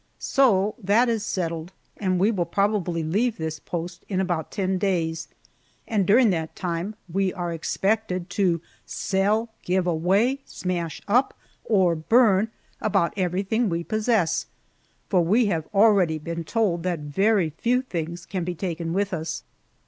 So that is settled, and we will probably leave this post in about ten days, and during that time we are expected to sell, give away, smash up, or burn about everything we possess, for we have already been told that very few things can be taken with us.